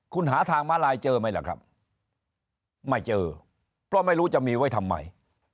คุณหาทางมาลายเจอไหมล่ะครับไม่เจอเพราะไม่รู้จะมีไว้ทำไม